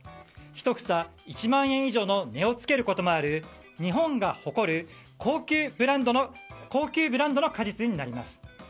１房１万円以上の値を付けることもある日本が誇る高級ブランドの果実になります。